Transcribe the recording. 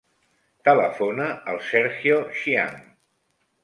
Telefona al Sergio Xiang.